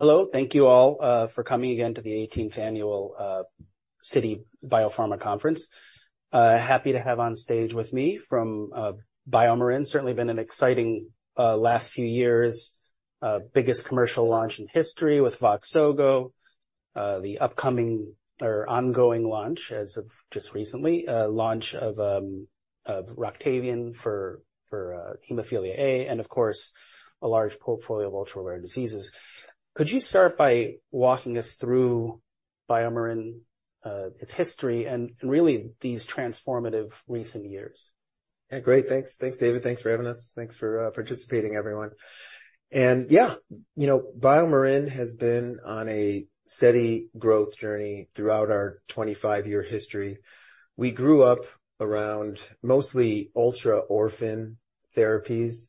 Hello. Thank you all for coming again to the 18th Annual Citi BioPharma Conference. Happy to have on stage with me from BioMarin. Certainly been an exciting last few years, biggest commercial launch in history with VOXZOGO, the upcoming or ongoing launch as of just recently, launch of ROCTAVIAN for hemophilia A and, of course, a large portfolio of ultra-rare diseases. Could you start by walking us through BioMarin, its history and really these transformative recent years? Yeah, great. Thanks. Thanks, David. Thanks for having us. Thanks for participating, everyone. And yeah, you know, BioMarin has been on a steady growth journey throughout our 25-year history. We grew up around mostly ultra-orphan therapies.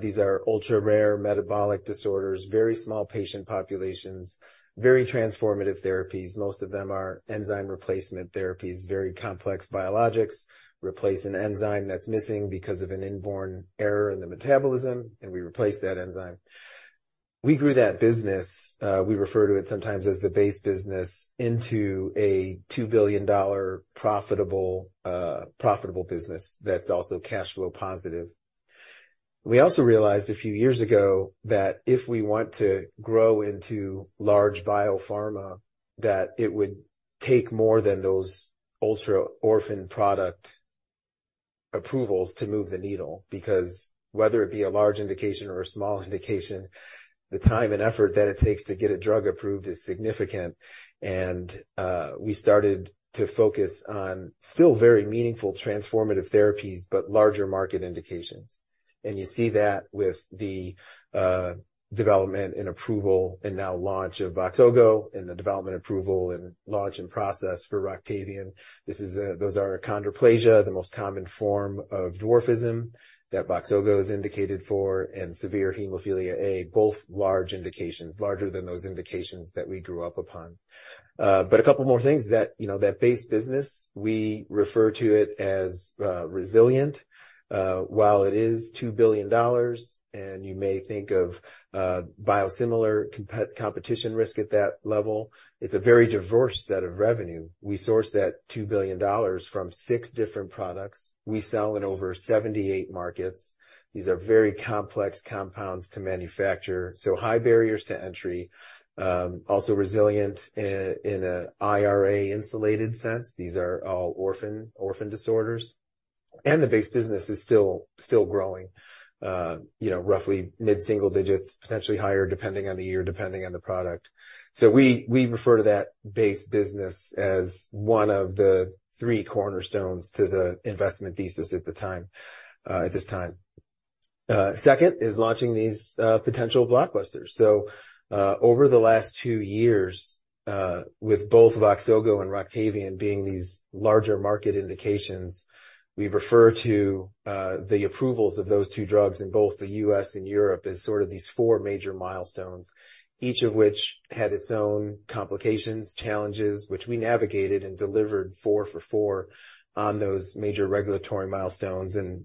These are ultra-rare metabolic disorders, very small patient populations, very transformative therapies. Most of them are enzyme replacement therapies, very complex biologics replace an enzyme that's missing because of an inborn error in the metabolism, and we replace that enzyme. We grew that business, we refer to it sometimes as the base business, into a $2 billion profitable business that's also cash flow positive. We also realized a few years ago that if we want to grow into large biopharma, that it would take more than those ultra-orphan product approvals to move the needle because whether it be a large indication or a small indication, the time and effort that it takes to get a drug approved is significant, and we started to focus on still very meaningful transformative therapies, but larger market indications. And you see that with the development and approval and now launch of VOXZOGO and the development approval and launch and process for ROCTAVIAN. This is, those are achondroplasia, the most common form of dwarfism that VOXZOGO is indicated for, and severe hemophilia A, both large indications, larger than those indications that we grew up upon, but a couple more things that, you know, that base business, we refer to it as, resilient. While it is $2 billion, and you may think of biosimilar competition risk at that level, it's a very diverse set of revenue. We source that $2 billion from six different products. We sell in over 78 markets. These are very complex compounds to manufacture, so high barriers to entry, also resilient in a IRA insulated sense. These are all orphan disorders. And the base business is still growing, you know, roughly mid-single digits, potentially higher depending on the year, depending on the product. So we refer to that base business as one of the three cornerstones to the investment thesis at the time, at this time. Second is launching these potential blockbusters. So, over the last two years, with both VOXZOGO and ROCTAVIAN being these larger market indications we refer to, the approvals of those two drugs in both the U.S. and Europe as sort of these four major milestones, each of which had its own complications, challenges, which we navigated and delivered four for four on those major regulatory milestones. And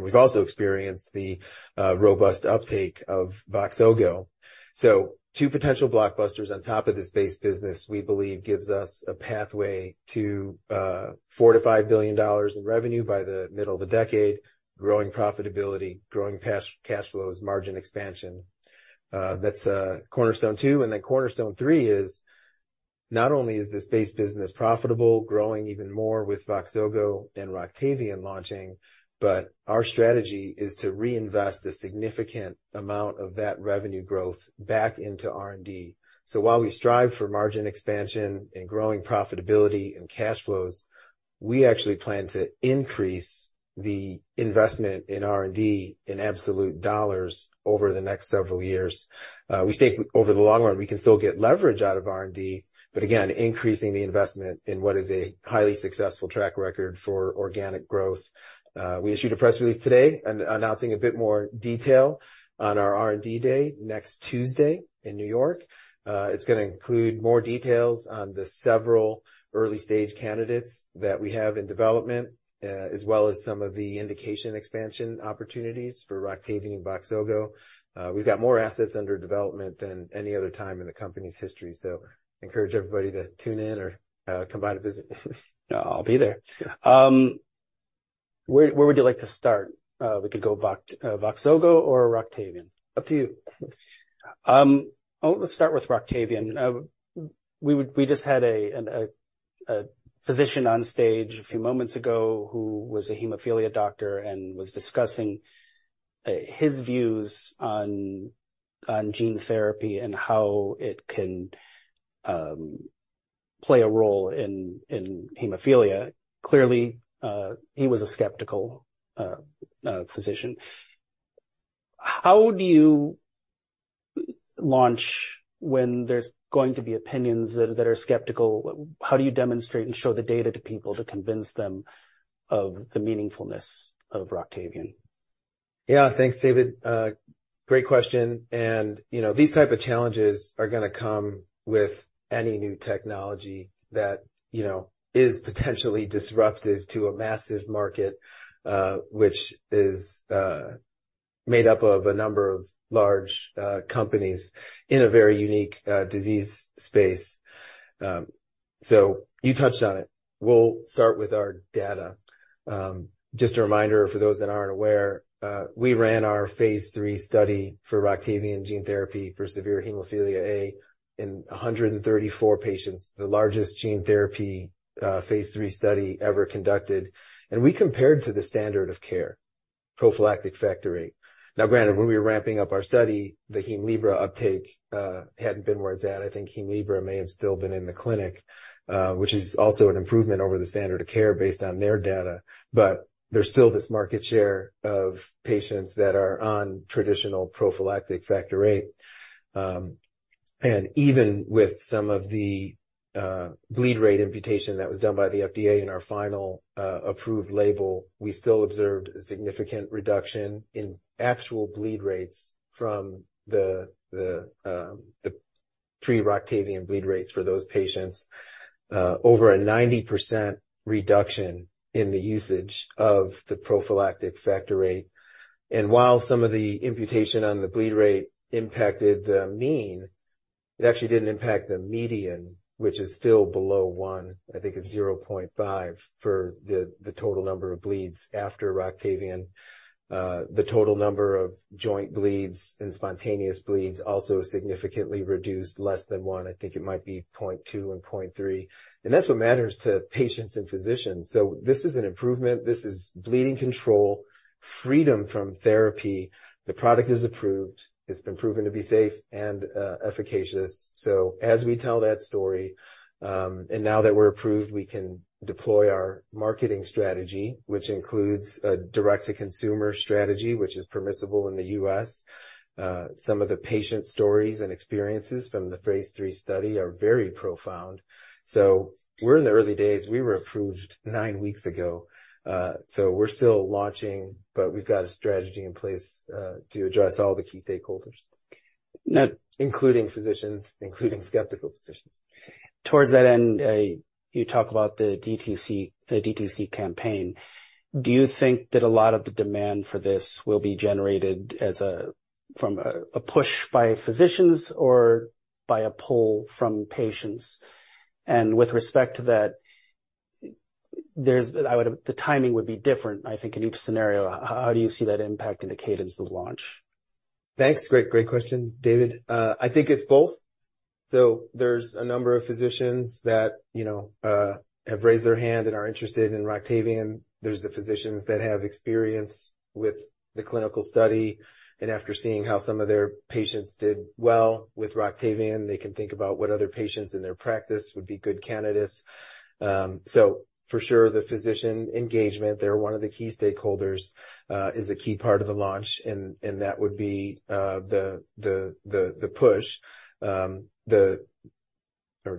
we've also experienced the robust uptake of VOXZOGO. So two potential blockbusters on top of this base business, we believe, gives us a pathway to $4 billion-$5 billion in revenue by the middle of the decade, growing profitability, growing cash flows, margin expansion. That's cornerstone two. And then cornerstone three is not only is this base business profitable, growing even more with VOXZOGO and ROCTAVIAN launching, but our strategy is to reinvest a significant amount of that revenue growth back into R&D. So while we strive for margin expansion and growing profitability and cash flows, we actually plan to increase the investment in R&D in absolute dollars over the next several years. We think over the long run we can still get leverage out of R&D, but again, increasing the investment in what is a highly successful track record for organic growth. We issued a press release today announcing a bit more detail on our R&D Day next Tuesday in New York. It's gonna include more details on the several early stage candidates that we have in development, as well as some of the indication expansion opportunities for ROCTAVIAN and VOXZOGO. We've got more assets under development than any other time in the company's history. So encourage everybody to tune in or come by to visit. I'll be there. Where would you like to start? We could go Vox, VOXZOGO or ROCTAVIAN. Up to you. Oh, let's start with ROCTAVIAN. We just had a physician on stage a few moments ago who was a hemophilia doctor and was discussing his views on gene therapy and how it can play a role in hemophilia. Clearly, he was a skeptical physician. How do you launch when there's going to be opinions that are skeptical? How do you demonstrate and show the data to people to convince them of the meaningfulness of ROCTAVIAN? Yeah. Thanks, David. Great question, and you know, these type of challenges are gonna come with any new technology that, you know, is potentially disruptive to a massive market, which is made up of a number of large companies in a very unique disease space, so you touched on it. We'll start with our data. Just a reminder for those that aren't aware, we ran our phase III study for ROCTAVIAN gene therapy for severe hemophilia A in 134 patients, the largest gene therapy phase III study ever conducted, and we compared to the standard of care, prophylactic Factor VIII. Now, granted, when we were ramping up our study, the Hemlibra uptake hadn't been where it's at. I think Hemlibra may have still been in the clinic, which is also an improvement over the standard of care based on their data. But there's still this market share of patients that are on traditional prophylactic Factor VIII. And even with some of the bleed rate imputation that was done by the FDA in our final approved label, we still observed a significant reduction in actual bleed rates from the pre-ROCTAVIAN bleed rates for those patients, over a 90% reduction in the usage of the prophylactic Factor VIII. And while some of the imputation on the bleed rate impacted the mean, it actually didn't impact the median, which is still below one. I think it's 0.5 for the total number of bleeds after ROCTAVIAN. The total number of joint bleeds and spontaneous bleeds also significantly reduced less than one. I think it might be 0.2 and 0.3. And that's what matters to patients and physicians. So this is an improvement. This is bleeding control freedom from therapy. The product is approved. It's been proven to be safe and efficacious, so as we tell that story, and now that we're approved, we can deploy our marketing strategy, which includes a direct-to-consumer strategy, which is permissible in the U.S. Some of the patient stories and experiences from the phase III study are very profound, so we're in the early days. We were approved nine weeks ago, so we're still launching, but we've got a strategy in place to address all the key stakeholders. Now. Including physicians, including skeptical physicians. Towards that end, you talk about the DTC, the DTC campaign. Do you think that a lot of the demand for this will be generated from a push by physicians or by a pull from patients? And with respect to that, the timing would be different, I think, in each scenario. How do you see that impacting the cadence of the launch? Thanks. Great, great question, David. I think it's both. So there's a number of physicians that, you know, have raised their hand and are interested in ROCTAVIAN. There's the physicians that have experience with the clinical study. And after seeing how some of their patients did well with ROCTAVIAN, they can think about what other patients in their practice would be good candidates, so for sure, the physician engagement, they're one of the key stakeholders, is a key part of the launch. And that would be the push, or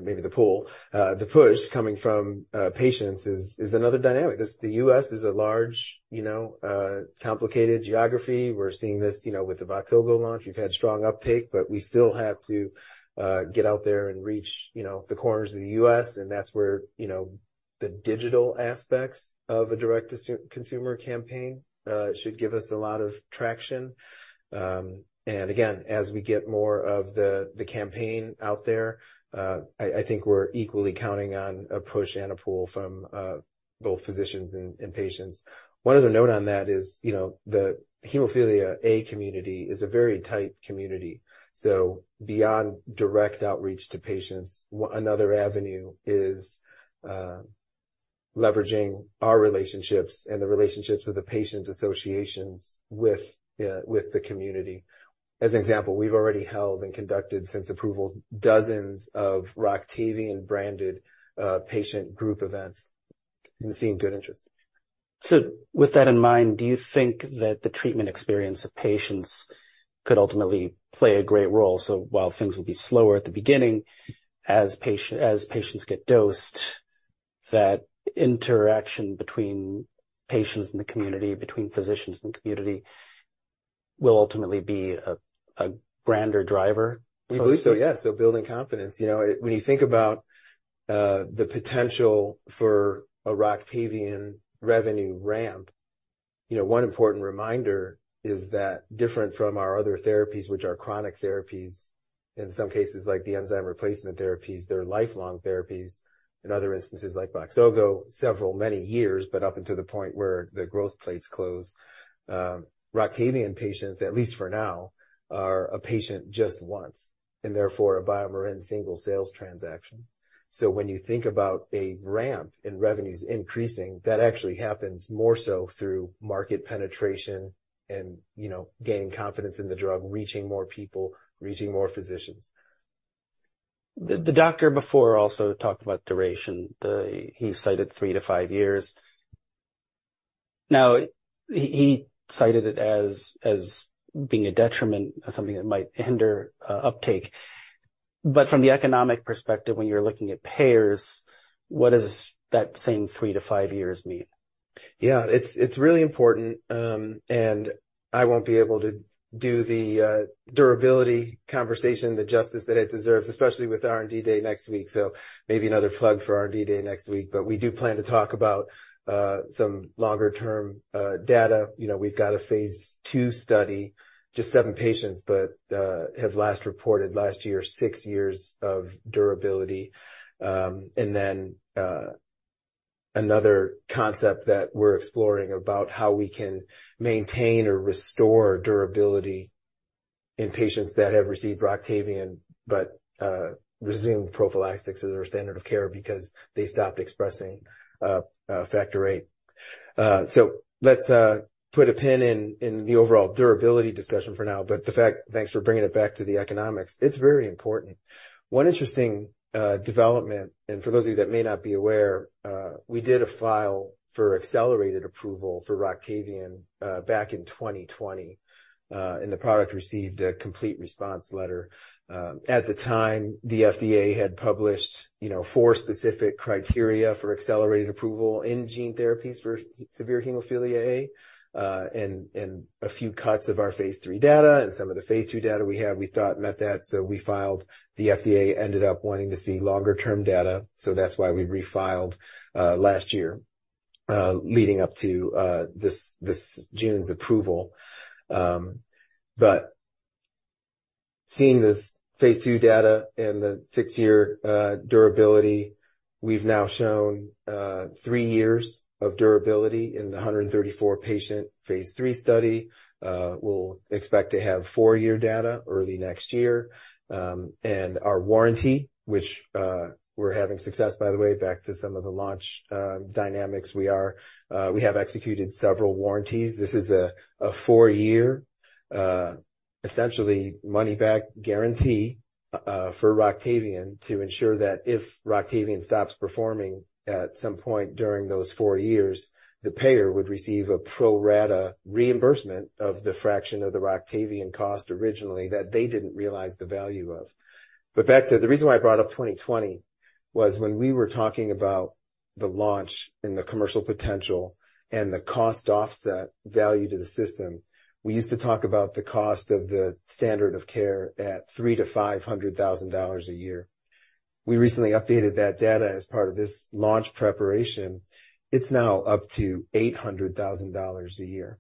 maybe the pull, the push coming from patients is another dynamic. The U.S. is a large, you know, complicated geography. We're seeing this, you know, with the VOXZOGO launch. We've had strong uptake, but we still have to get out there and reach, you know, the corners of the U.S. And that's where, you know, the digital aspects of a direct-to-consumer campaign should give us a lot of traction. And again, as we get more of the campaign out there, I think we're equally counting on a push and a pull from both physicians and patients. One other note on that is, you know, the Hemophilia A community is a very tight community. So beyond direct outreach to patients, another avenue is leveraging our relationships and the relationships of the patient associations with the community. As an example, we've already held and conducted since approval dozens of ROCTAVIAN branded patient group events. I'm seeing good interest. So with that in mind, do you think that the treatment experience of patients could ultimately play a great role? So while things will be slower at the beginning, as patients get dosed, that interaction between patients in the community, between physicians in the community will ultimately be a grander driver? We believe so. Yeah. So building confidence, you know, when you think about the potential for a ROCTAVIAN revenue ramp, you know, one important reminder is that different from our other therapies, which are chronic therapies in some cases, like the enzyme replacement therapies, they're lifelong therapies. In other instances, like VOXZOGO, several years, but up until the point where the growth plates close, ROCTAVIAN patients, at least for now, are a patient just once and therefore a BioMarin single sales transaction. So when you think about a ramp in revenues increasing, that actually happens more so through market penetration and, you know, gaining confidence in the drug, reaching more people, reaching more physicians. The doctor before also talked about duration. He cited three to five years. Now, he cited it as being a detriment of something that might hinder uptake. But from the economic perspective, when you're looking at payers, what does that same three to five years mean? Yeah, it's really important. And I won't be able to do the durability conversation the justice that it deserves, especially with R&D Day next week. So maybe another plug for R&D Day next week. But we do plan to talk about some longer term data. You know, we've got a phase two study, just seven patients, but have last reported last year, six years of durability. And then another concept that we're exploring about how we can maintain or restore durability in patients that have received ROCTAVIAN, but resume prophylaxis as their standard of care because they stopped expressing Factor VIII. So let's put a pin in the overall durability discussion for now. But the fact, thanks for bringing it back to the economics, it's very important. One interesting development, and for those of you that may not be aware, we filed for accelerated approval for ROCTAVIAN back in 2020, and the product received a complete response letter. At the time, the FDA had published, you know, four specific criteria for accelerated approval in gene therapies for severe hemophilia A, and a few cuts of our phase III data. Some of the phase III data we have, we thought met that. So we filed. The FDA ended up wanting to see longer term data. So that's why we refiled last year, leading up to this June's approval. Seeing this phase II data and the six-year durability, we've now shown three years of durability in the 134-patient phase III study. We'll expect to have four-year data early next year. and our warranty, which we're having success with, by the way. Back to some of the launch dynamics, we have executed several warranties. This is a four-year, essentially money-back guarantee for ROCTAVIAN to ensure that if ROCTAVIAN stops performing at some point during those four years, the payer would receive a pro rata reimbursement of the fraction of the ROCTAVIAN cost originally that they didn't realize the value of. But back to the reason why I brought up 2020 was when we were talking about the launch and the commercial potential and the cost offset value to the system, we used to talk about the cost of the standard of care at three to $500,000 a year. We recently updated that data as part of this launch preparation. It's now up to $800,000 a year.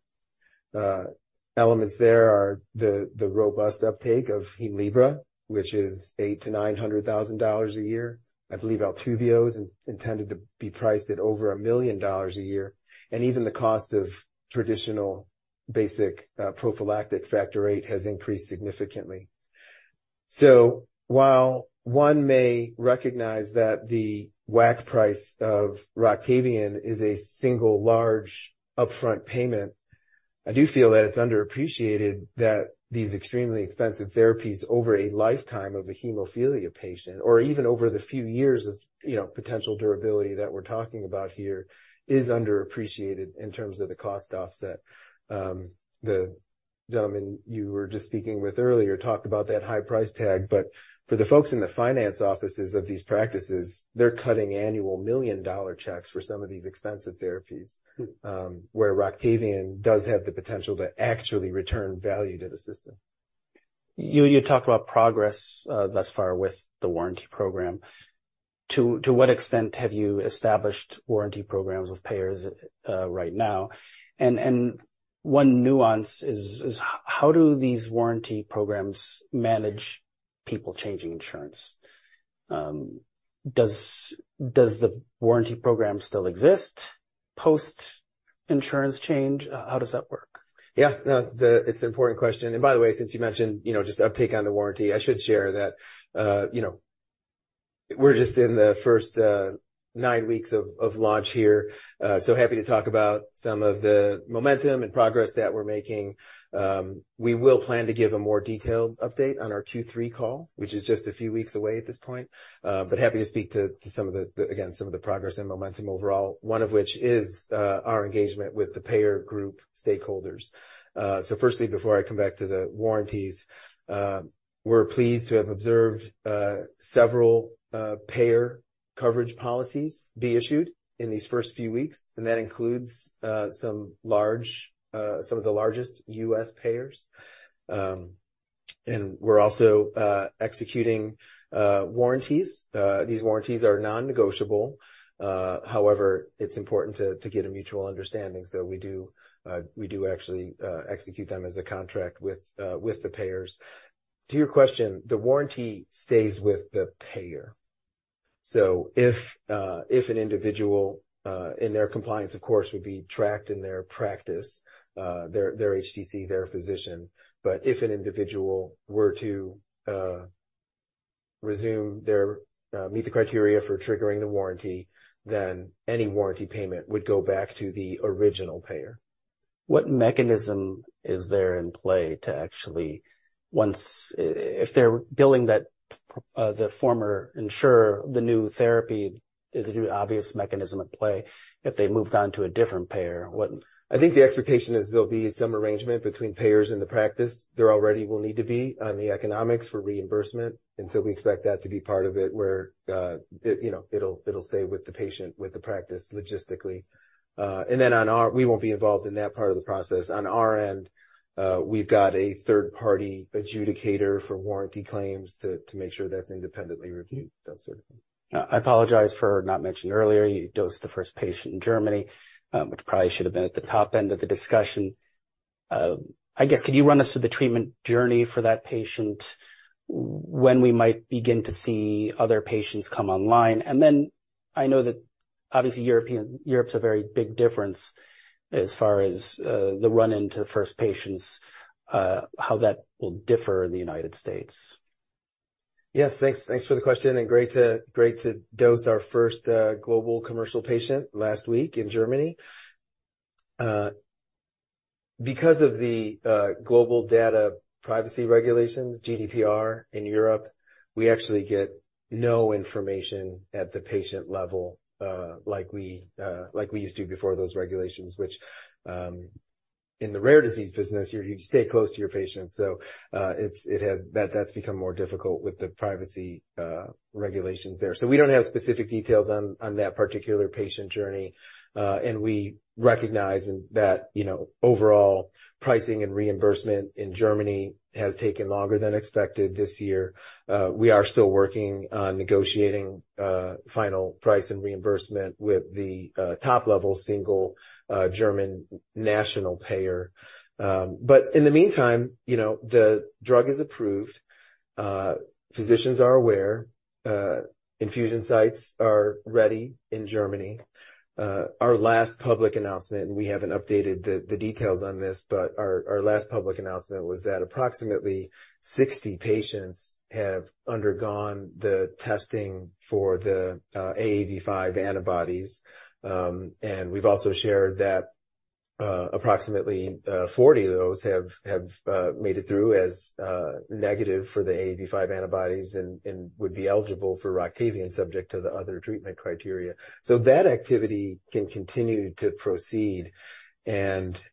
elements there are the robust uptake of Hemlibra, which is $800,000-$900,000 a year. I believe ALTUVIIIO is intended to be priced at over $1 million a year. And even the cost of traditional basic, prophylactic Factor VIII has increased significantly. So while one may recognize that the WAC price of ROCTAVIAN is a single large upfront payment, I do feel that it's underappreciated that these extremely expensive therapies over a lifetime of a hemophilia patient, or even over the few years of, you know, potential durability that we're talking about here, is underappreciated in terms of the cost offset. The gentleman you were just speaking with earlier talked about that high price tag, but for the folks in the finance offices of these practices, they're cutting annual $1 million checks for some of these expensive therapies, where ROCTAVIAN does have the potential to actually return value to the system. You talked about progress thus far with the warranty program. To what extent have you established warranty programs with payers right now? And one nuance is how do these warranty programs manage people changing insurance? Does the warranty program still exist post insurance change? How does that work? Yeah, no, it's an important question. And by the way, since you mentioned, you know, just uptake on the warranty, I should share that, you know, we're just in the first nine weeks of launch here, so happy to talk about some of the momentum and progress that we're making. We will plan to give a more detailed update on our Q3 call, which is just a few weeks away at this point, but happy to speak to some of the, again, some of the progress and momentum overall, one of which is our engagement with the payer group stakeholders, so firstly, before I come back to the warranties, we're pleased to have observed several payer coverage policies be issued in these first few weeks. And that includes some large, some of the largest U.S. payers, and we're also executing warranties. These warranties are non-negotiable. However, it's important to get a mutual understanding. So we do actually execute them as a contract with the payers. To your question, the warranty stays with the payer. So if an individual, in their compliance, of course, would be tracked in their practice, their HTC, their physician, but if an individual were to meet the criteria for triggering the warranty, then any warranty payment would go back to the original payer. What mechanism is there in play to actually, once if they're billing that, the former insurer, the new therapy, the new obvious mechanism at play, if they moved on to a different payer, what? I think the expectation is there'll be some arrangement between payers and the practice. There already will need to be on the economics for reimbursement, and so we expect that to be part of it where, you know, it'll stay with the patient, with the practice logistically, and then on our end, we won't be involved in that part of the process. On our end, we've got a third party adjudicator for warranty claims to make sure that's independently reviewed. That's certainly. I apologize for not mentioning earlier, you dosed the first patient in Germany, which probably should have been at the top end of the discussion. I guess, could you run us through the treatment journey for that patient when we might begin to see other patients come online? And then I know that obviously European, Europe's a very big difference as far as, the run into first patients, how that will differ in the United States. Yes, thanks. Thanks for the question. Great to dose our first global commercial patient last week in Germany. Because of the global data privacy regulations, GDPR in Europe, we actually get no information at the patient level, like we used to before those regulations, which in the rare disease business, you stay close to your patients. So, it's become more difficult with the privacy regulations there. So we don't have specific details on that particular patient journey. We recognize that, you know, overall pricing and reimbursement in Germany has taken longer than expected this year. We are still working on negotiating final price and reimbursement with the top-level single German national payer. In the meantime, you know, the drug is approved. Physicians are aware. Infusion sites are ready in Germany. Our last public announcement, and we haven't updated the details on this, but our last public announcement was that approximately 60 patients have undergone the testing for the AAV5 antibodies. We've also shared that approximately 40 of those have made it through as negative for the AAV5 antibodies and would be eligible for ROCTAVIAN subject to the other treatment criteria. So that activity can continue to proceed.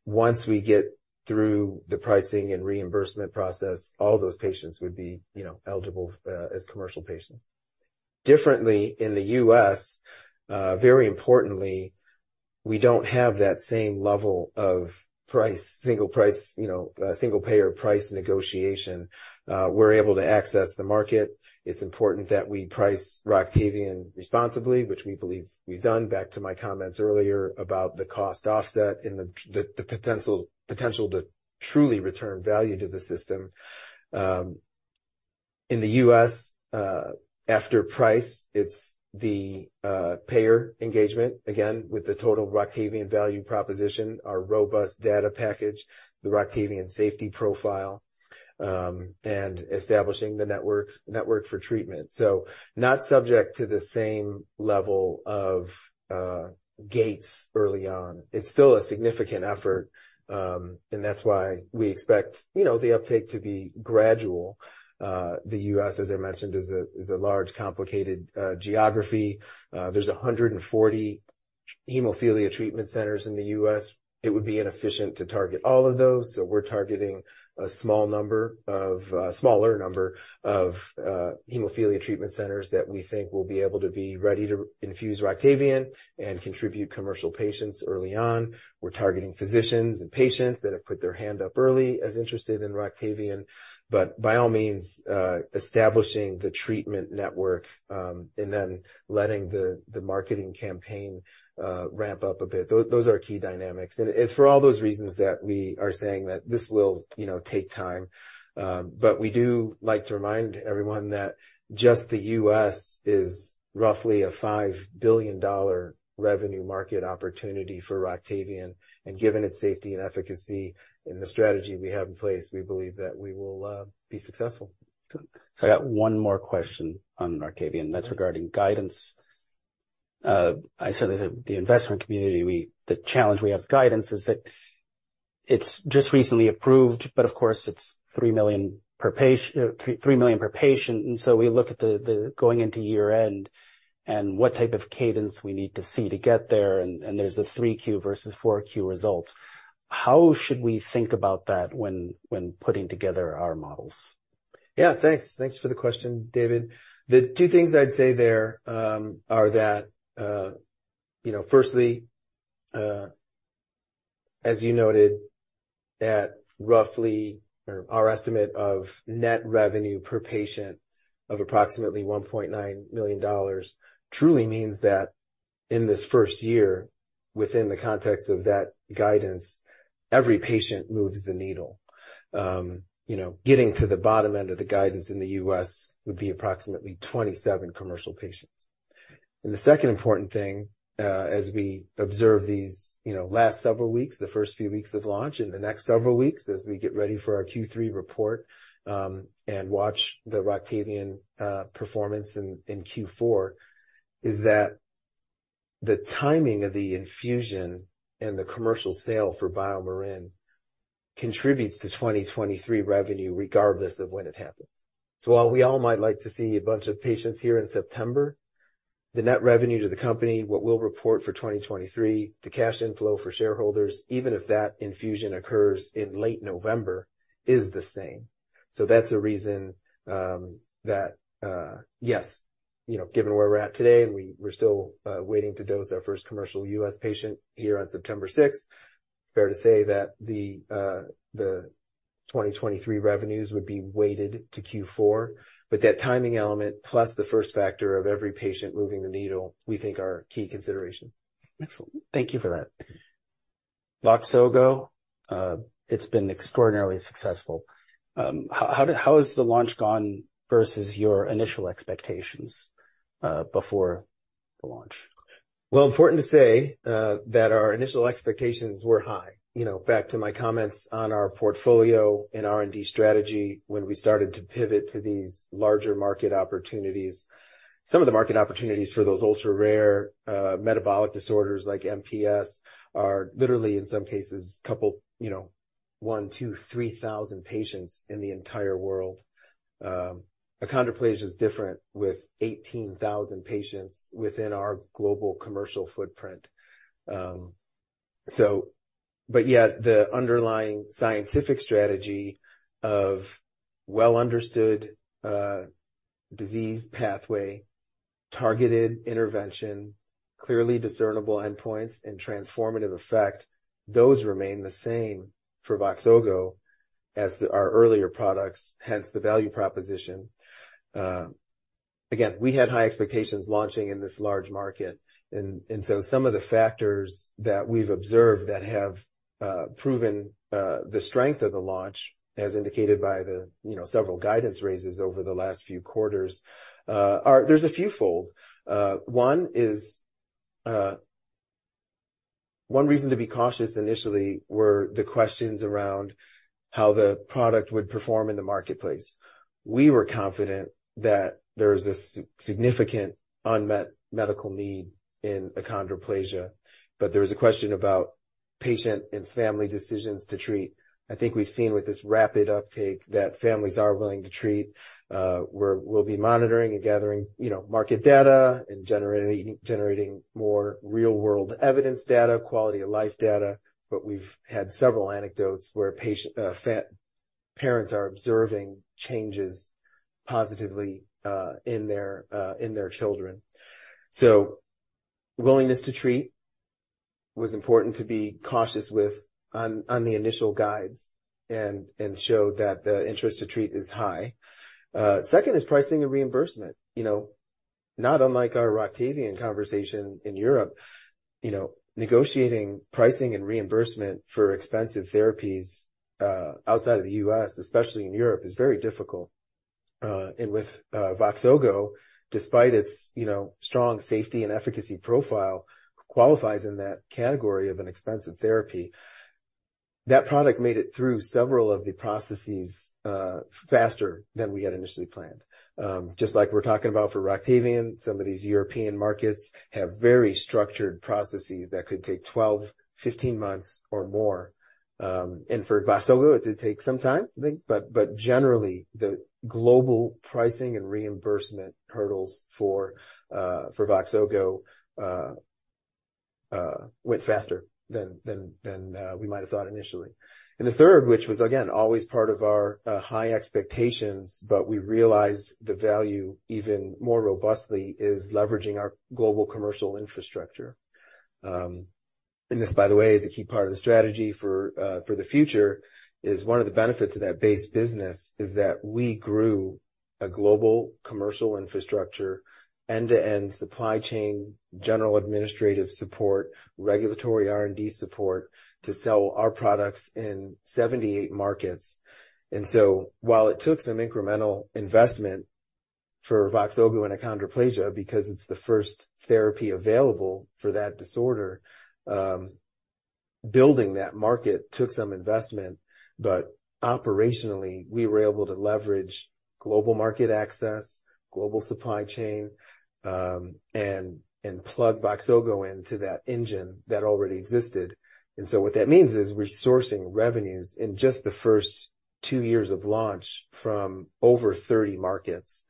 Once we get through the pricing and reimbursement process, all those patients would be, you know, eligible as commercial patients. Differently in the U.S., very importantly, we don't have that same level of price, single price, you know, single payer price negotiation. We're able to access the market. It's important that we price ROCTAVIAN responsibly, which we believe we've done back to my comments earlier about the cost offset and the potential to truly return value to the system. In the U.S., after price, it's the payer engagement again with the total ROCTAVIAN value proposition, our robust data package, the ROCTAVIAN safety profile, and establishing the network for treatment. So not subject to the same level of gates early on. It's still a significant effort. That's why we expect, you know, the uptake to be gradual. The U.S., as I mentioned, is a large, complicated geography. There's 140 hemophilia treatment centers in the U.S. It would be inefficient to target all of those. So we're targeting a smaller number of hemophilia treatment centers that we think will be able to be ready to infuse ROCTAVIAN and contribute commercial patients early on. We're targeting physicians and patients that have put their hand up early as interested in ROCTAVIAN, but by all means, establishing the treatment network, and then letting the marketing campaign ramp up a bit. Those are key dynamics. And it's for all those reasons that we are saying that this will, you know, take time, but we do like to remind everyone that just the U.S. is roughly a $5 billion revenue market opportunity for ROCTAVIAN. And given its safety and efficacy and the strategy we have in place, we believe that we will be successful. I got one more question on ROCTAVIAN. That's regarding guidance. I sense the investment community. We have the challenge with guidance is that it's just recently approved, but of course it's $3 million per patient, $3 million per patient. And so we look at the going into year end and what type of cadence we need to see to get there. And there's a 3Q versus 4Q result. How should we think about that when putting together our models? Yeah, thanks. Thanks for the question, David. The two things I'd say there are that, you know, firstly, as you noted at roughly our estimate of net revenue per patient of approximately $1.9 million, truly means that in this first year, within the context of that guidance, every patient moves the needle. You know, getting to the bottom end of the guidance in the U.S. would be approximately 27 commercial patients. And the second important thing, as we observe these, you know, last several weeks, the first few weeks of launch and the next several weeks as we get ready for our Q3 report, and watch the ROCTAVIAN performance in Q4 is that the timing of the infusion and the commercial sale for BioMarin contributes to 2023 revenue regardless of when it happens. So while we all might like to see a bunch of patients here in September, the net revenue to the company, what we'll report for 2023, the cash inflow for shareholders, even if that infusion occurs in late November, is the same. So that's a reason, yes, you know, given where we're at today and we're still waiting to dose our first commercial U.S. patient here on September 6th, fair to say that the 2023 revenues would be weighted to Q4, but that timing element plus the first factor of every patient moving the needle, we think, are key considerations. Excellent. Thank you for that. VOXZOGO, it's been extraordinarily successful. How has the launch gone versus your initial expectations, before the launch? Important to say that our initial expectations were high. You know, back to my comments on our portfolio and R&D strategy when we started to pivot to these larger market opportunities. Some of the market opportunities for those ultra rare, metabolic disorders like MPS are literally in some cases couple, you know, one, two, 3,000 patients in the entire world. Achondroplasia is different with 18,000 patients within our global commercial footprint. So, but yeah, the underlying scientific strategy of well understood, disease pathway, targeted intervention, clearly discernible endpoints and transformative effect, those remain the same for VOXZOGO as our earlier products, hence the value proposition. Again, we had high expectations launching in this large market. So some of the factors that we've observed that have proven the strength of the launch as indicated by the, you know, several guidance raises over the last few quarters are. There's a few fold. One is. One reason to be cautious initially were the questions around how the product would perform in the marketplace. We were confident that there was this significant unmet medical need in achondroplasia, but there was a question about patient and family decisions to treat. I think we've seen with this rapid uptake that families are willing to treat. We'll be monitoring and gathering, you know, market data and generating more real-world evidence data, quality of life data. But we've had several anecdotes where parents are observing changes positively in their children. So willingness to treat was important to be cautious with on the initial guides and show that the interest to treat is high. Second is pricing and reimbursement. You know, not unlike our ROCTAVIAN conversation in Europe, you know, negotiating pricing and reimbursement for expensive therapies, outside of the U.S., especially in Europe is very difficult. And with VOXZOGO, despite its, you know, strong safety and efficacy profile, qualifies in that category of an expensive therapy. That product made it through several of the processes, faster than we had initially planned. Just like we're talking about for ROCTAVIAN, some of these European markets have very structured processes that could take 12, 15 months or more. And for VOXZOGO, it did take some time, I think, but generally the global pricing and reimbursement hurdles for VOXZOGO went faster than we might've thought initially. And the third, which was again always part of our high expectations, but we realized the value even more robustly, is leveraging our global commercial infrastructure. And this, by the way, is a key part of the strategy for the future is one of the benefits of that base business is that we grew a global commercial infrastructure, end-to-end supply chain, general administrative support, regulatory R&D support to sell our products in 78 markets. And so while it took some incremental investment for VOXZOGO and achondroplasia, because it's the first therapy available for that disorder, building that market took some investment, but operationally we were able to leverage global market access, global supply chain, and plug VOXZOGO into that engine that already existed. And so what that means is we're sourcing revenues in just the first two years of launch from over 30 markets.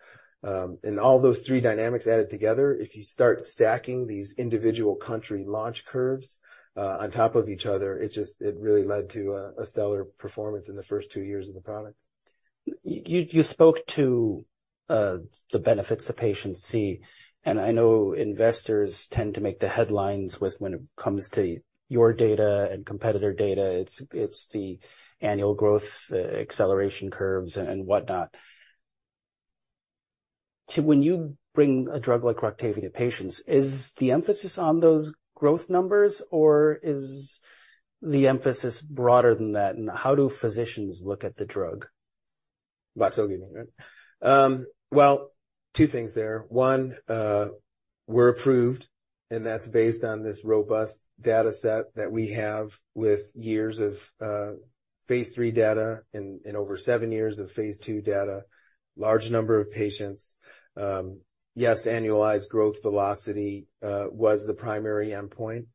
And all those three dynamics added together, if you start stacking these individual country launch curves on top of each other, it just really led to a stellar performance in the first two years of the product. You spoke to the benefits the patients see. And I know investors tend to make the headlines with when it comes to your data and competitor data. It's the annual growth acceleration curves and whatnot. When you bring a drug like ROCTAVIAN to patients, is the emphasis on those growth numbers or is the emphasis broader than that? And how do physicians look at the drug? VOXZOGO, right? Well, two things there. One, we're approved and that's based on this robust data set that we have with years of phase three data and over seven years of phase two data, large number of patients. Yes, annualized growth velocity was the primary endpoint.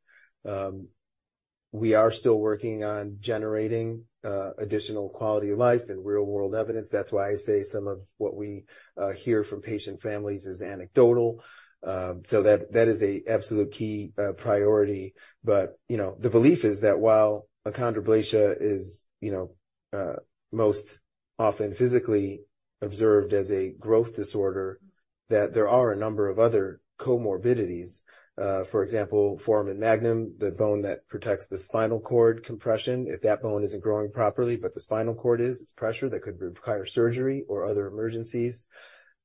We are still working on generating additional quality of life and real-world evidence. That's why I say some of what we hear from patient families is anecdotal, so that is an absolute key priority. But you know, the belief is that while achondroplasia is you know, most often physically observed as a growth disorder, that there are a number of other comorbidities. For example, foramen magnum, the bone that protects the spinal cord compression, if that bone isn't growing properly, but the spinal cord is, it's pressure that could require surgery or other emergencies.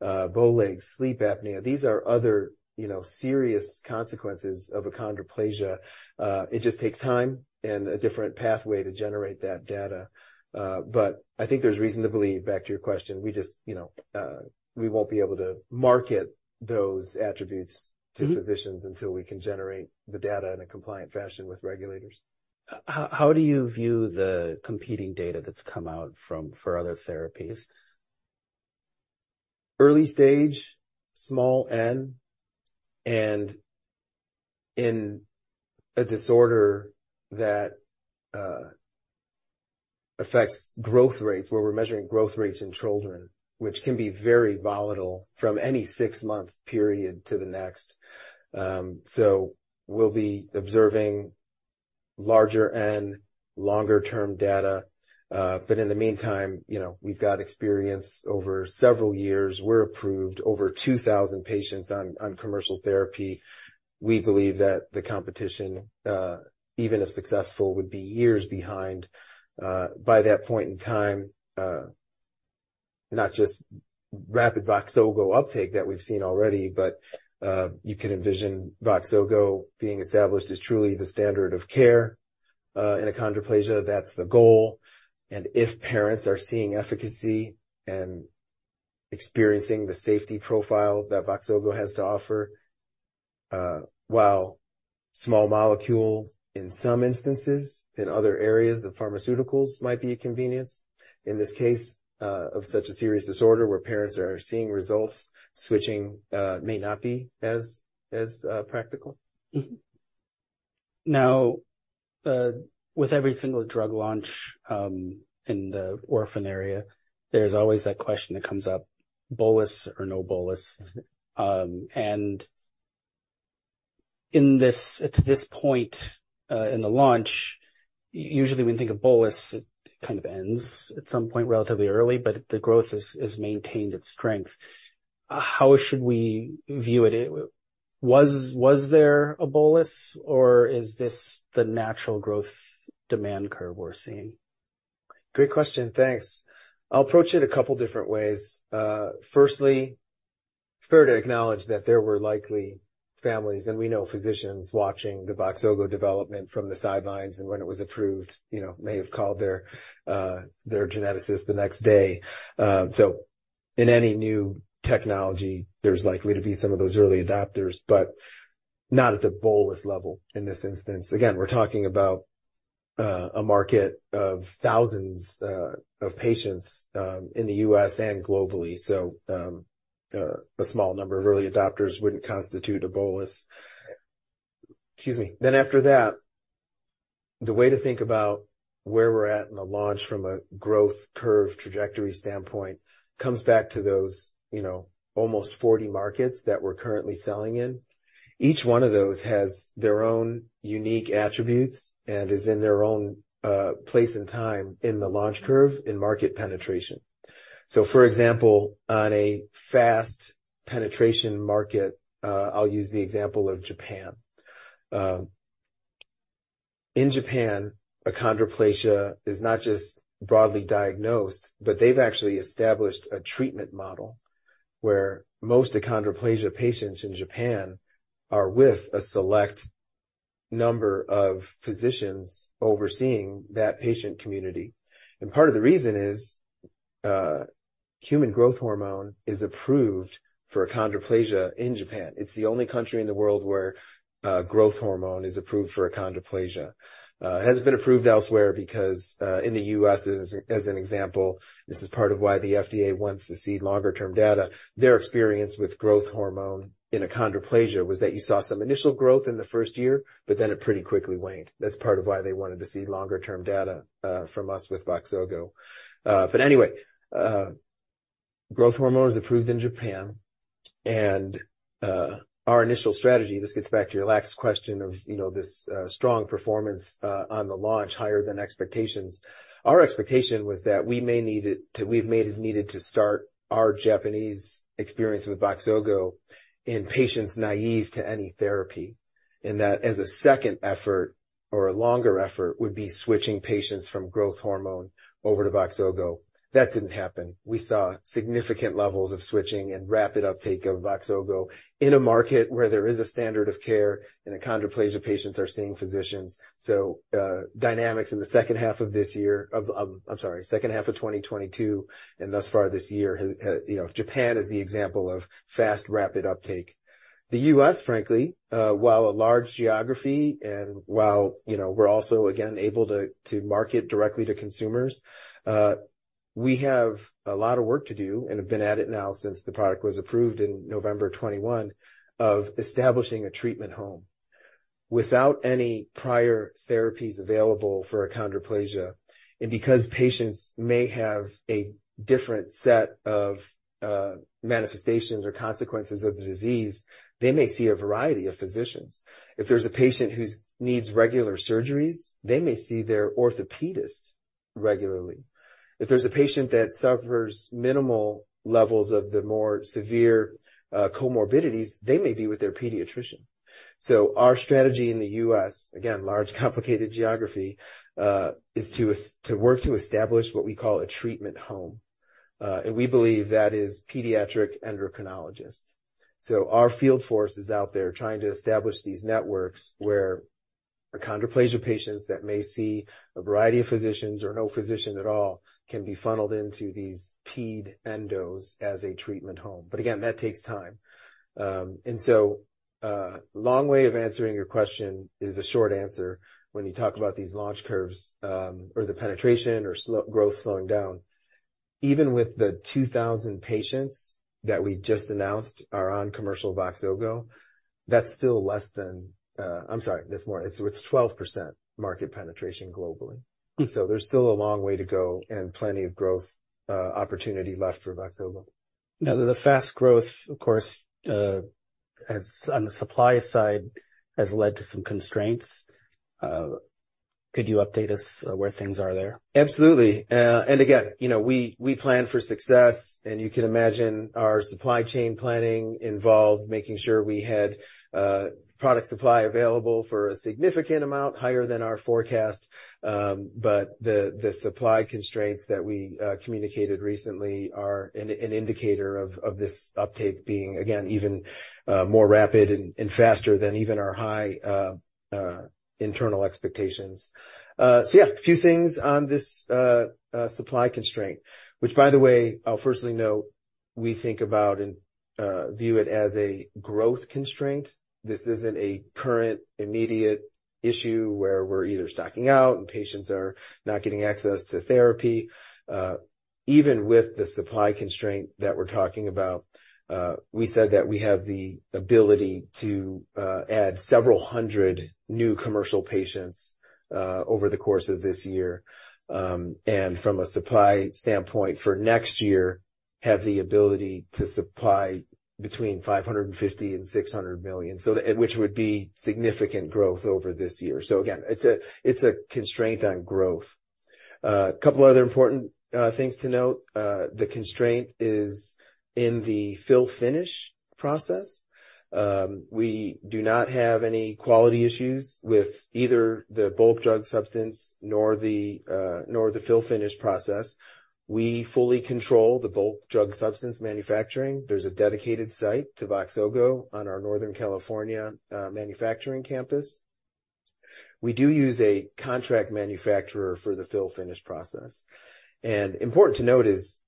Bowlegs, sleep apnea, these are other, you know, serious consequences of achondroplasia. It just takes time and a different pathway to generate that data. But I think there's reason to believe back to your question, we just, you know, we won't be able to market those attributes to physicians until we can generate the data in a compliant fashion with regulators. How do you view the competing data that's come out from other therapies? Early stage, small N, and in a disorder that affects growth rates where we're measuring growth rates in children, which can be very volatile from any six-month period to the next. So we'll be observing larger N, longer term data. But in the meantime, you know, we've got experience over several years. We're approved over 2,000 patients on commercial therapy. We believe that the competition, even if successful, would be years behind, by that point in time, not just rapid VOXZOGO uptake that we've seen already, but you can envision VOXZOGO being established as truly the standard of care in achondroplasia. That's the goal. If parents are seeing efficacy and experiencing the safety profile that VOXZOGO has to offer, while small molecule in some instances in other areas of pharmaceuticals might be a convenience, in this case of such a serious disorder where parents are seeing results, switching may not be as practical. Now, with every single drug launch, in the orphan area, there's always that question that comes up, bolus or no bolus, and in this, at this point, in the launch, usually when you think of bolus, it kind of ends at some point relatively early, but the growth is maintained at strength. How should we view it? Was there a bolus or is this the natural growth demand curve we're seeing? Great question. Thanks. I'll approach it a couple different ways. Firstly, fair to acknowledge that there were likely families and we know physicians watching the VOXZOGO development from the sidelines and when it was approved, you know, may have called their geneticist the next day. So in any new technology, there's likely to be some of those early adopters, but not at the bolus level in this instance. Again, we're talking about a market of thousands of patients in the U.S. and globally. So, a small number of early adopters wouldn't constitute a bolus. Excuse me. Then after that, the way to think about where we're at in the launch from a growth curve trajectory standpoint comes back to those, you know, almost 40 markets that we're currently selling in. Each one of those has their own unique attributes and is in their own place and time in the launch curve in market penetration. So, for example, on a fast penetration market, I'll use the example of Japan. In Japan, achondroplasia is not just broadly diagnosed, but they've actually established a treatment model where most of the achondroplasia patients in Japan are with a select number of physicians overseeing that patient community. And part of the reason is, human growth hormone is approved for achondroplasia in Japan. It's the only country in the world where growth hormone is approved for achondroplasia. It hasn't been approved elsewhere because, in the U.S., as an example, this is part of why the FDA wants to see longer term data. Their experience with growth hormone in achondroplasia was that you saw some initial growth in the first year, but then it pretty quickly waned. That's part of why they wanted to see longer term data from us with VOXZOGO. But anyway, growth hormone is approved in Japan. And our initial strategy, this gets back to your last question of, you know, this strong performance on the launch higher than expectations. Our expectation was that we may need it to, we've made it needed to start our Japanese experience with VOXZOGO in patients naive to any therapy and that as a second effort or a longer effort would be switching patients from growth hormone over to VOXZOGO. That didn't happen. We saw significant levels of switching and rapid uptake of VOXZOGO in a market where there is a standard of care and achondroplasia patients are seeing physicians. Dynamics in the second half of 2022 and thus far this year has you know Japan is the example of fast rapid uptake. The U.S. frankly while a large geography and you know we're also again able to market directly to consumers we have a lot of work to do and have been at it now since the product was approved in November 2021 of establishing a treatment home without any prior therapies available for achondroplasia. Because patients may have a different set of manifestations or consequences of the disease they may see a variety of physicians. If there's a patient who needs regular surgeries they may see their orthopedist regularly. If there's a patient that suffers minimal levels of the more severe comorbidities they may be with their pediatrician. So our strategy in the U.S., again, large complicated geography, is to work to establish what we call a treatment home, and we believe that is pediatric endocrinologist. So our field force is out there trying to establish these networks where achondroplasia patients that may see a variety of physicians or no physician at all can be funneled into these ped endos as a treatment home. But again, that takes time, and so long way of answering your question is a short answer when you talk about these launch curves, or the penetration or slow growth slowing down. Even with the 2,000 patients that we just announced are on commercial VOXZOGO, that's still less than. I'm sorry, that's more, it's 12% market penetration globally. So there's still a long way to go and plenty of growth, opportunity left for VOXZOGO. Now, the fast growth, of course, has on the supply side led to some constraints. Could you update us where things are there? Absolutely, and again, you know, we plan for success and you can imagine our supply chain planning involved making sure we had product supply available for a significant amount higher than our forecast, but the supply constraints that we communicated recently are an indicator of this uptake being again even more rapid and faster than even our high internal expectations, so yeah, a few things on this supply constraint, which by the way, I'll firstly note we think about and view it as a growth constraint. This isn't a current immediate issue where we're either stocking out and patients are not getting access to therapy, even with the supply constraint that we're talking about. We said that we have the ability to add several hundred new commercial patients over the course of this year. And from a supply standpoint for next year, we have the ability to supply between $550 million and $600 million. So that, which would be significant growth over this year. So again, it's a constraint on growth. A couple other important things to note. The constraint is in the fill-finish process. We do not have any quality issues with either the bulk drug substance nor the fill-finish process. We fully control the bulk drug substance manufacturing. There's a dedicated site to VOXZOGO on our Northern California manufacturing campus. We do use a contract manufacturer for the fill-finish process. And important to note is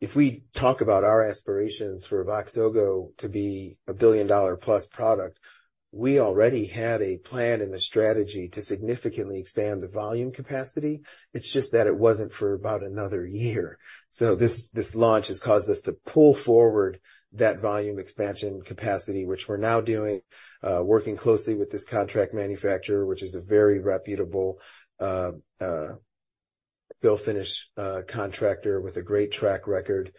if we talk about our aspirations for VOXZOGO to be a $1 billion+ product, we already had a plan and a strategy to significantly expand the volume capacity. It's just that it wasn't for about another year. So this launch has caused us to pull forward that volume expansion capacity, which we're now doing, working closely with this contract manufacturer, which is a very reputable fill-finish contractor with a great track record.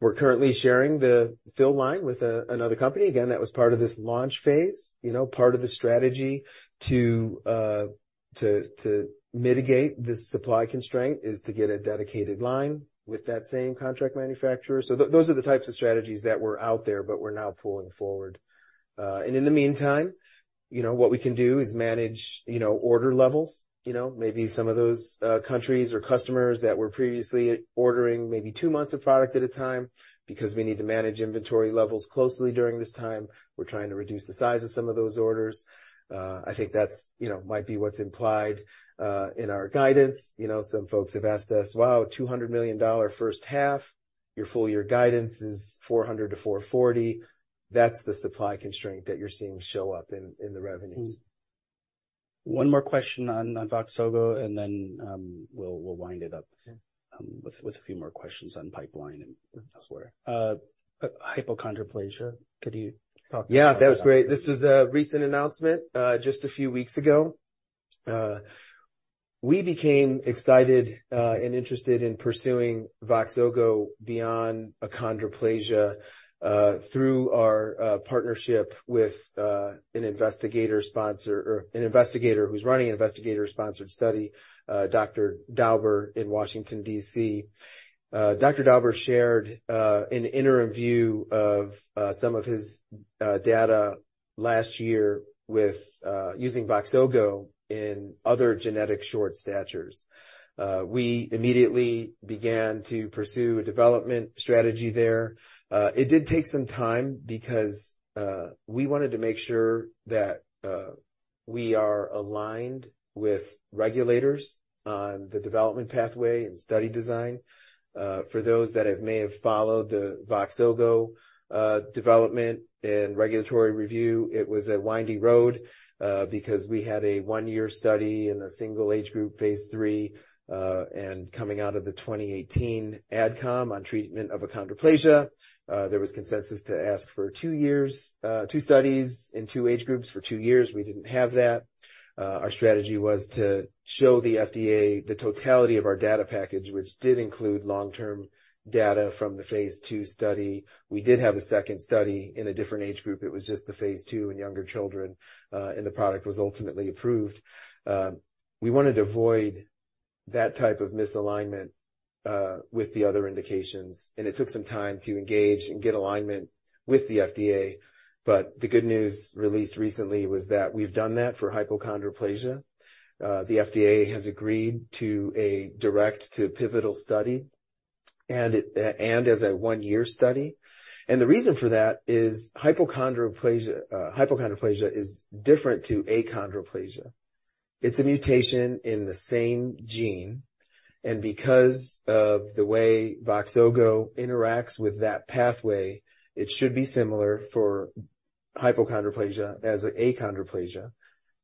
We're currently sharing the fill line with another company. Again, that was part of this launch phase, you know, part of the strategy to mitigate this supply constraint is to get a dedicated line with that same contract manufacturer. So those are the types of strategies that were out there, but we're now pulling forward. In the meantime, you know, what we can do is manage, you know, order levels, you know, maybe some of those countries or customers that were previously ordering maybe two months of product at a time because we need to manage inventory levels closely during this time. We're trying to reduce the size of some of those orders. I think that's, you know, might be what's implied in our guidance. You know, some folks have asked us, wow, $200 million first half, your full year guidance is $400 million-$440 million. That's the supply constraint that you're seeing show up in, in the revenues. One more question on VOXZOGO and then we'll wind it up with a few more questions on pipeline and elsewhere. Hypochondroplasia. Could you talk? Yeah, that was great. This was a recent announcement, just a few weeks ago. We became excited and interested in pursuing VOXZOGO beyond achondroplasia through our partnership with an investigator sponsor or an investigator who's running an investigator-sponsored study, Dr. Dauber in Washington, D.C. Dr. Dauber shared an interim view of some of his data last year with using VOXZOGO in other genetic short statures. We immediately began to pursue a development strategy there. It did take some time because we wanted to make sure that we are aligned with regulators on the development pathway and study design. For those that may have followed the VOXZOGO development and regulatory review, it was a windy road because we had a one-year study in a single age group, phase III, and coming out of the 2018 AdCom on treatment of achondroplasia. There was consensus to ask for two years, two studies in two age groups for two years. We didn't have that. Our strategy was to show the FDA the totality of our data package, which did include long-term data from the phase II study. We did have a second study in a different age group. It was just the phase II and younger children, and the product was ultimately approved. We wanted to avoid that type of misalignment with the other indications, and it took some time to engage and get alignment with the FDA, but the good news released recently was that we've done that for hypochondroplasia. The FDA has agreed to a direct-to-pivotal study and it, and as a one-year study, and the reason for that is hypochondroplasia, hypochondroplasia is different to achondroplasia. It's a mutation in the same gene. And because of the way VOXZOGO interacts with that pathway, it should be similar for hypochondroplasia as an achondroplasia.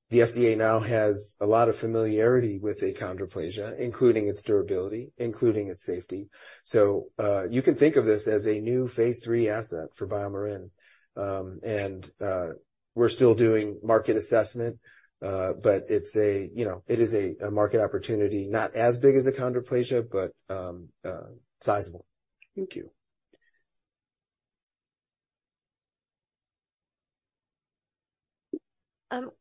The FDA now has a lot of familiarity with achondroplasia, including its durability, including its safety. So, you can think of this as a new phase three asset for BioMarin. And, we're still doing market assessment, but it's a, you know, it is a market opportunity, not as big as achondroplasia, but, sizable. Thank you.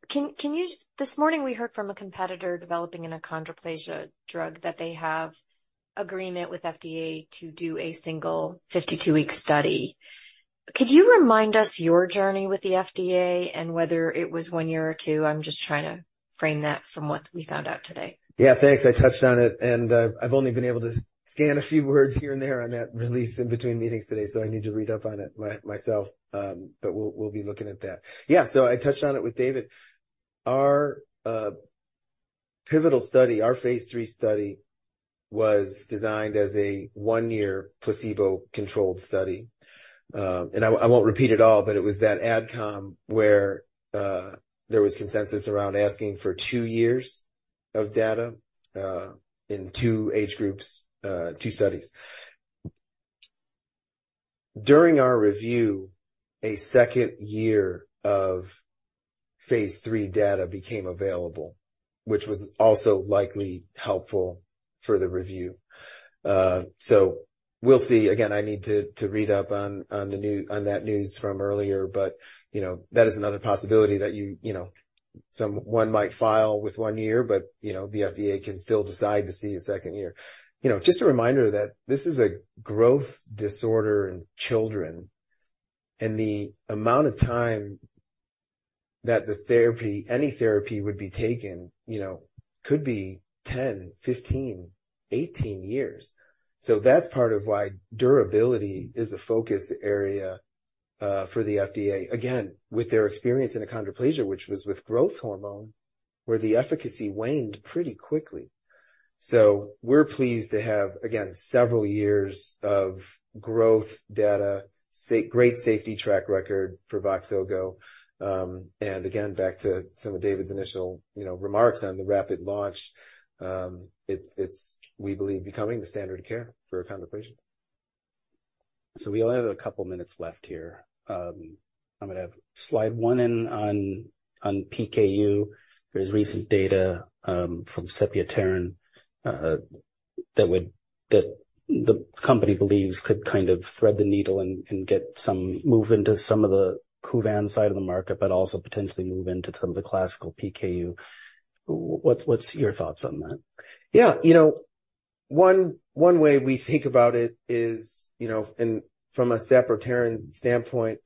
Can you, this morning we heard from a competitor developing an achondroplasia drug that they have agreement with FDA to do a single 52-week study. Could you remind us your journey with the FDA and whether it was one year or two? I'm just trying to frame that from what we found out today. Yeah, thanks. I touched on it and I've only been able to scan a few words here and there. I'm at the conference in between meetings today, so I need to read up on it myself, but we'll be looking at that. Yeah. So I touched on it with David. Our pivotal study, our phase III study was designed as a one-year placebo controlled study. And I won't repeat it all, but it was that AdCom where there was consensus around asking for two years of data, in two age groups, two studies. During our review, a second year of phase three data became available, which was also likely helpful for the review. So we'll see again. I need to read up on that news from earlier, but you know, that is another possibility that you know, someone might file with one year, but you know, the FDA can still decide to see a second year. You know, just a reminder that this is a growth disorder in children and the amount of time that the therapy, any therapy would be taken, you know, could be 10, 15, 18 years. So that's part of why durability is a focus area for the FDA. Again, with their experience in achondroplasia, which was with growth hormone, where the efficacy waned pretty quickly. So we're pleased to have again several years of growth data, great safety track record for VOXZOGO. And again, back to some of David's initial, you know, remarks on the rapid launch, it's, we believe, becoming the standard of care for achondroplasia. So we only have a couple minutes left here. I'm gonna have slide one in on PKU. There's recent data from sepiapterin that the company believes could kind of thread the needle and get some move into some of the KUVAN side of the market, but also potentially move into some of the classical PKU. What's your thoughts on that? Yeah, you know, one way we think about it is, you know, and from a sepiapterin standpoint,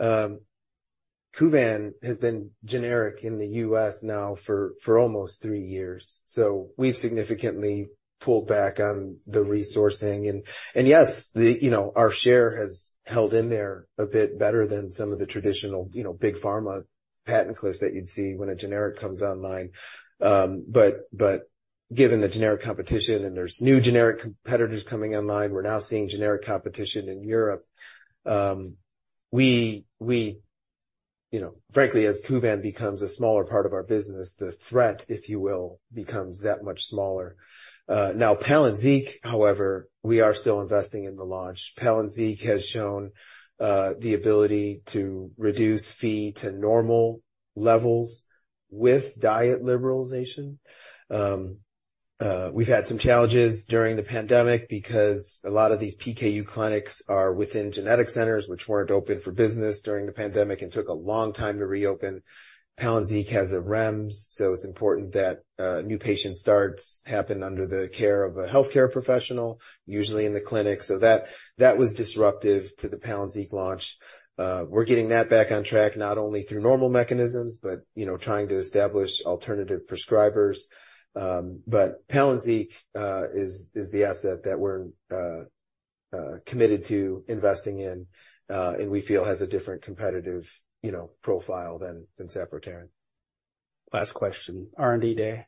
KUVAN has been generic in the U.S. now for almost three years. So we've significantly pulled back on the resourcing and yes, the, you know, our share has held in there a bit better than some of the traditional, you know, big pharma patent cliffs that you'd see when a generic comes online. But given the generic competition and there's new generic competitors coming online, we're now seeing generic competition in Europe. We, you know, frankly, as KUVAN becomes a smaller part of our business, the threat, if you will, becomes that much smaller. Now, PALYNZIQ, however, we are still investing in the launch. PALYNZIQ has shown the ability to reduce Phe to normal levels with diet liberalization. We've had some challenges during the pandemic because a lot of these PKU clinics are within genetic centers, which weren't open for business during the pandemic and took a long time to reopen. PALYNZIQ has a REMS, so it's important that new patient starts happen under the care of a healthcare professional, usually in the clinic. So that was disruptive to the PALYNZIQ launch. We're getting that back on track, not only through normal mechanisms, but you know, trying to establish alternative prescribers. But PALYNZIQ is the asset that we're committed to investing in, and we feel has a different competitive, you know, profile than sapropterin. Last question. R&D Day.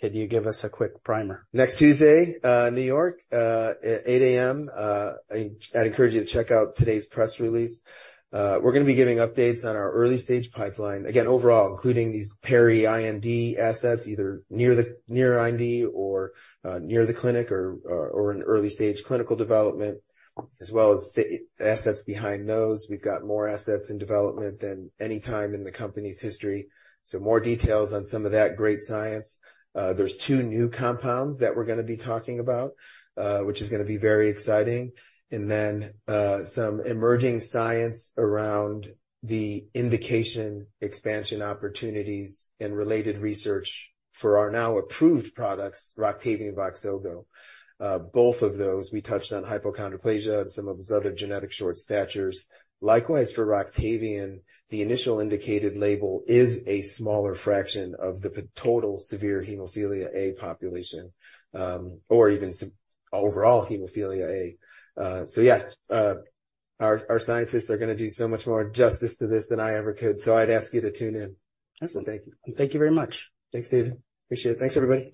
Could you give us a quick primer? Next Tuesday, New York, at 8:00 A.M., I encourage you to check out today's press release. We're gonna be giving updates on our early stage pipeline again, overall, including these pre-IND assets, either near IND or near the clinic or early stage clinical development, as well as assets behind those. We've got more assets in development than any time in the company's history. So more details on some of that great science. There's two new compounds that we're gonna be talking about, which is gonna be very exciting. And then, some emerging science around the indication expansion opportunities and related research for our now approved products, ROCTAVIAN, VOXZOGO. Both of those, we touched on hypochondroplasia and some of these other genetic short statures. Likewise, for ROCTAVIAN, the initial indicated label is a smaller fraction of the total severe hemophilia A population, or even some overall hemophilia A. So yeah, our, our scientists are gonna do so much more justice to this than I ever could. So I'd ask you to tune in. Excellent. Thank you. Thank you very much. Thanks, David. Appreciate it. Thanks, everybody.